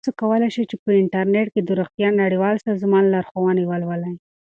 تاسو کولی شئ په انټرنیټ کې د روغتیا نړیوال سازمان لارښوونې ولولئ.